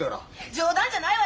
冗談じゃないわよ！